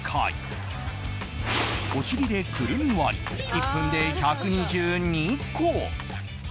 お尻でくるみ割り１分で１２２個。